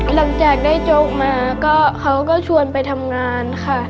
หลังจากได้โจ๊กมาก็เขาก็ชวนไปทำงานค่ะ